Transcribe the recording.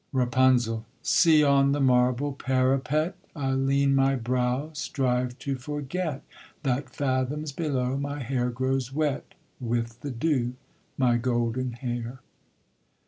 RAPUNZEL. See on the marble parapet, I lean my brow, strive to forget That fathoms below my hair grows wet With the dew, my golden hair.